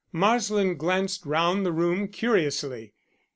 Marsland glanced round the room curiously.